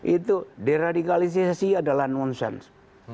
itu di radikalisasi adalah nonsens